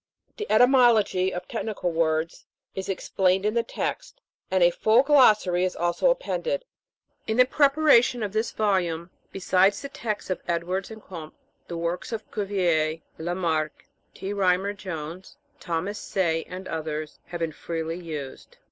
The etymology of technical words is explained in the text ; and a full Glossary is also appended. In the preparation of this volume, besides the text of Edwards and Comte, the works of Cuvier, Lamarck, T. Rymer Jones, Thomas Say, and others, have been freely used.